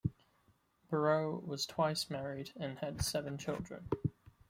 Brough was twice married and had seven children.